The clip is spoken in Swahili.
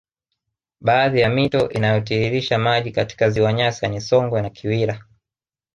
Baadhi ya mito inayotiririsha maji katika ziwa Nyasa ni Songwe na Kiwira